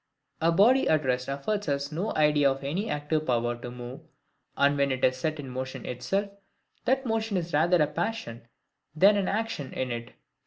A body at rest affords us no idea of any active power to move; and when it is set in motion itself, that motion is rather a passion than an action in it.